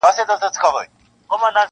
ښځي وویل هوښیاره یم پوهېږم -